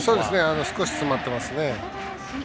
少し詰まってますね。